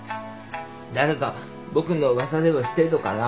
誰か僕の噂でもしてんのかな？